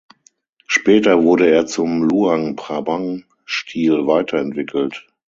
Später wurde er zum Luang-Prabang-Stil weiterentwickelt.